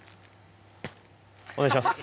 お願いします。